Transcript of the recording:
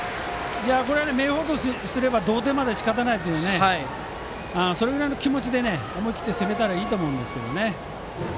明豊とすれば同点まで仕方ないというそれぐらいの気持ちで思い切って攻めたらいいと思います。